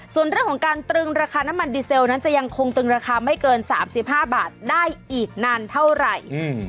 ส่วนเรื่องของการตรึงราคาน้ำมันดีเซลนั้นจะยังคงตรึงราคาไม่เกิน๓๕บาทได้อีกนานเท่าไหร่